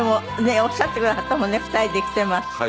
おっしゃってくださったもんね２人で来ていますって。